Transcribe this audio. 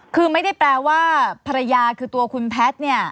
คือไม่ได้แปลว่าภรรยาคือตัวคุณแพทย์เนี่ย